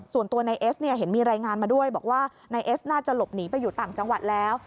ส่วนตัวนายเอสเนี่ยเห็นมีรายงานมาด้วยบอกว่านายเอสน่าจะหลบหนีไปอยู่ต่างจังหวัดแล้ว